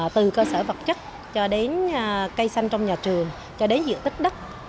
từ cơ sở vật chất cho đến cây xanh trong nhà trường cho đến diện tích đất